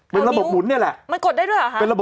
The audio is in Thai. เป็นระบบหมุนนี่แหละ